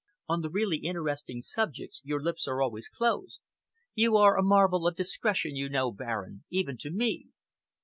"On the really interesting subjects your lips are always closed. You are a marvel of discretion, you know, Baron even to me."